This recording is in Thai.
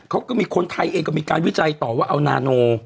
เขาก็มีคนไทยเองก็มีการวิจัยต่อว่าเอานาโน